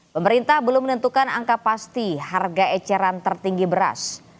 pemerintah belum menentukan angka pasti harga eceran tertinggi beras